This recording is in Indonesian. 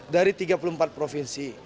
dari tiga puluh empat provinsi